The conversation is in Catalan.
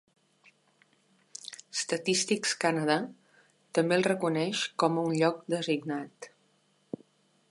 Statistics Canada també el reconeix com un lloc designat.